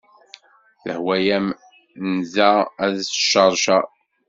Tehwa-am nnda ad d-tecceṛceṛ.